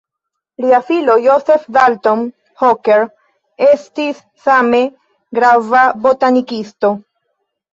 Lia filo Joseph Dalton Hooker estis same grava botanikisto.